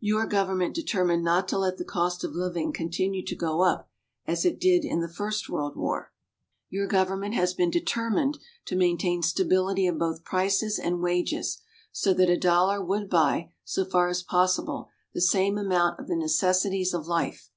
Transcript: Your government determined not to let the cost of living continue to go up as it did in the first World War. Your government has been determined to maintain stability of both prices and wages so that a dollar would buy, so far as possible, the same amount of the necessities of life.